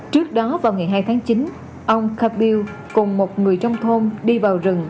trước đó vào ngày hai tháng chín ông cà piêu cùng một người trong thôn đi vào rừng